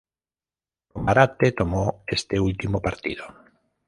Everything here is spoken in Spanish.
Romarate tomó este último partido.